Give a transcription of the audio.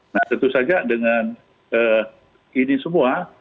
nah tentu saja dengan ini semua